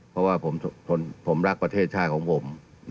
เพราะว่าผมรักประเทศชาติของผม